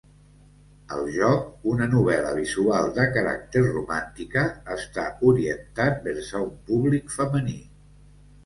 El joc, una novel·la visual de caràcter romàntica, està orientat vers un públic femení.